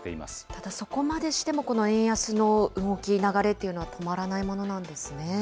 ただ、そこまでしてもこの円安の動き、流れというのは止まらそうですね。